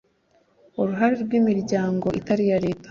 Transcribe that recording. uruhare rw’ imiryango itari iya leta